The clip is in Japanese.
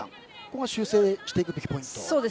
ここが修正していくポイント？